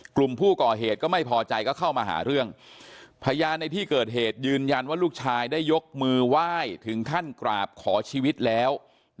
กลุ่มผู้ก่อเหตุก็ไม่พอใจก็เข้ามาหาเรื่องพยานในที่เกิดเหตุยืนยันว่าลูกชายได้ยกมือไหว้ถึงขั้นกราบขอชีวิตแล้ว